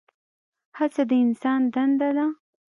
هڅه د انسان دنده ده؟